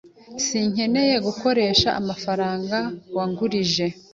Sinakeneye gukoresha amafaranga wangurije.